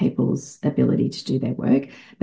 untuk melakukan kerja mereka